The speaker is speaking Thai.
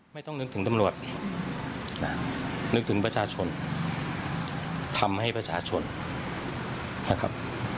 ไม่ต้องนึกถึงตำรวจนึกถึงประชาชนทำให้ประชาชนนะครับ